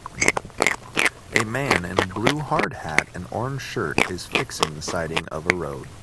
A man in a blue hard hat and orange shirt is fixing the siding of a road